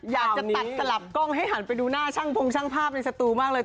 อยากจะตัดสลับกล้องให้หันไปดูหน้าช่างพงช่างภาพในสตูมากเลย